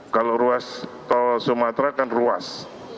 kalau ruas tol sumatera kan ruas